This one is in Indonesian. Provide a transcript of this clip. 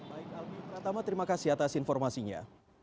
baik almi pertama terima kasih atas informasinya